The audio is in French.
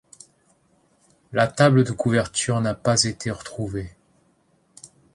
La table de couverture n'a pas été retrouvée.